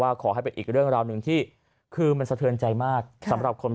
ขอให้เป็นอีกเรื่องราวหนึ่งที่คือมันสะเทือนใจมากสำหรับคน